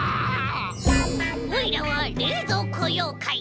おいらはれいぞうこようかい！